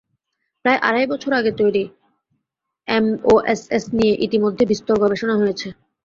প্রায় আড়াই বছর আগে তৈরি এমওএসএস নিয়ে ইতিমধ্যে বিস্তর গবেষণা হয়েছে।